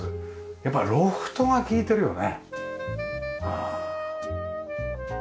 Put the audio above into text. やっぱりロフトが利いてるよね。